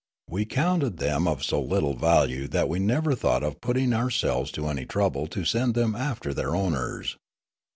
We counted them of so little value that we never thought of putting ourselves to any trouble to send them after their owners.